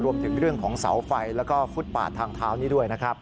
รวมถึงเรื่องของเสาไฟแล้วก็ฟุตปาดทางเท้านี้ด้วยนะครับ